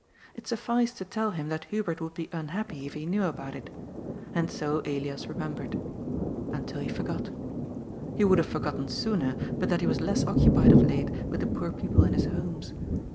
It sufficed to tell him that Hubert would be unhappy if he knew about it And so Elias remembered. Until he for got He would have forgotten sooner but that he was less occupied of late with the poor people in his Homes.